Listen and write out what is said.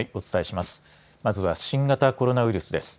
まずは新型コロナウイルスです。